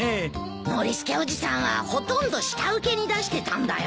ノリスケおじさんはほとんど下請けに出してたんだよ。